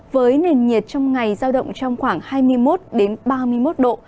với nền nhiệt trong ngày giao động trong khoảng hai mươi một ba mươi một độ